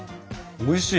おいしい！